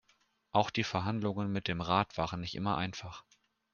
Auch die Verhandlungen mit dem Rat waren nicht immer einfach.